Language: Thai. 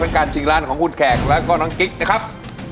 การชิงร้านของคุณแขกแล้วก็น้องกิ๊กนะครับ